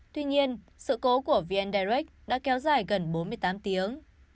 tuy nhiên sự cố của vn direct đã kéo dài gần bốn mươi tám tiếng